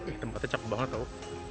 eh tempatnya caku banget tau